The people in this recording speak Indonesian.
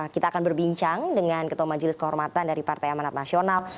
kita akan berbincang dengan ketua majelis kehormatan dari partai amanat nasional